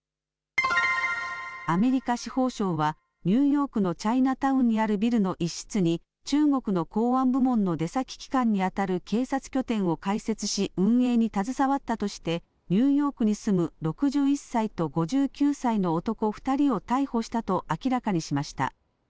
アメリカ司法省はニューヨークのチャイナタウンにあるビルの一室に中国の公安部門の出先機関にあたる警察拠点を開設し運営に携わったとしてニューヨークに住む６１歳と５９歳の男２人を逮捕したと明らかにしました。